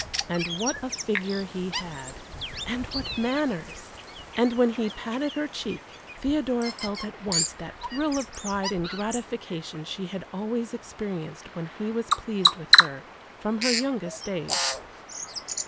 And what a figure he had! and what manners! And when he patted her cheek Theodora felt at once that thrill of pride and gratification she had always experienced when he was pleased with her, from her youngest days.